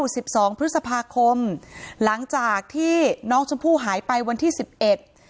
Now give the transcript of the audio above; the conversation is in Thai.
สิบสองพฤษภาคมหลังจากที่น้องชมพู่หายไปวันที่สิบเอ็ด